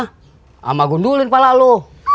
sama gundulin kepala lo